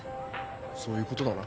そういうことだな。